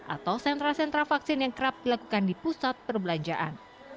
atau sentra sentra vaksin yang kerap dilakukan di pusat perbelanjaan